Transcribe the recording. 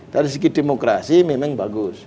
dari segi demokrasi memang bagus